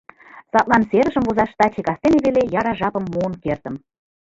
Садлан серышым возаш таче кастене веле яра жапым муын кертым.